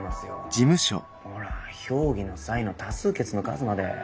ほら評議の際の多数決の数まで。